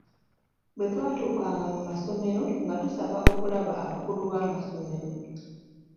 Bwe twatuukanga mu masomero nga tusaba okulaba abakulu b’amasomero.